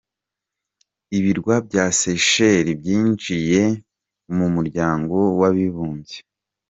Ibirwa bya Seychelles byinjiye mu muryango w’abibumbye.